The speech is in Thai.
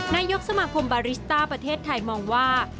นายกสมาคมบาริสต้าประเทศไทยมองว่า